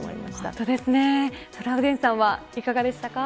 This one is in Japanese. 本当ですね、トラウデンさんはいかがでしたか。